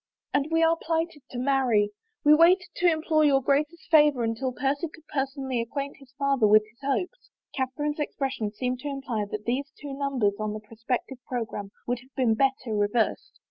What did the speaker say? " And we are plighted to marry. We waited to implore your Grace's favor until Percy could personally acquaint his father with his hopes." Catherine's expression seemed to im ply that these two nimibers on the prospective programme would have been better reversed.